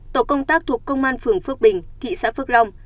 tổ công tác thuộc công an phường phước bình thị xã phước long